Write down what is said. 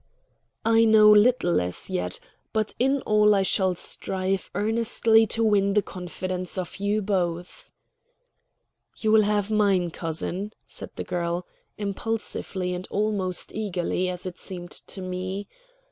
"I know little as yet; but in all I shall strive earnestly to win the confidence of you both." "You will have mine, cousin," said the girl, impulsively and almost eagerly, as it seemed to me.